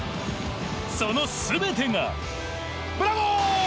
その全てが。